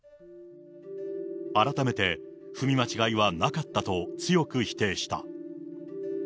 改めて、踏み間違えはなかったと強く否定した。